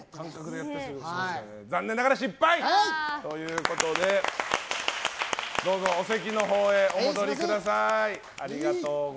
残念ながら失敗ということでどうぞ、お席のほうへお戻りください。